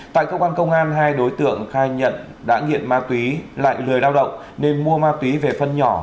tại cơ quan công an hai đối tượng khai nhận đã nghiện ma túy lại lười lao động nên mua ma túy về phân nhỏ